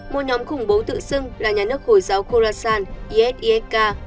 một nhóm khủng bố tự xưng là nhà nước hồi giáo khorasan is isk